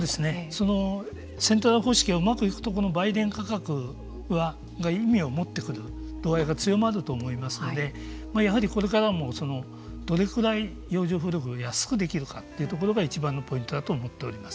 そのセントラル方式がうまくいくとこの売電価格が意味を持ってくる度合いが強まると思いますのでやはりこれからもどれぐらい洋上風力を安くできるかというところがいちばんのポイントだと思っております。